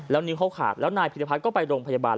แล้วนิ้วเขาขาดแล้วนายพิรพัฒน์ก็ไปโรงพยาบาล